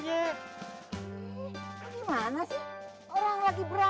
tidak tidak tidak lihatlah